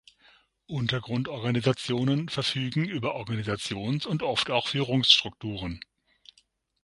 Untergrundorganisationen verfügen über Organisations- und oft auch Führungsstrukturen.